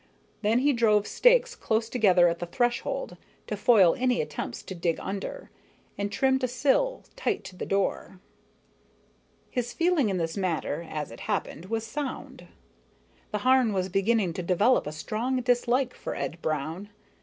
Then he drove stakes close together at the threshold, to foil any attempts to dig under, and trimmed a sill tight to the door. His feeling in this matter, as it happened, was sound. The Harn was beginning to develop a pretty strong dislike for Ed Brown.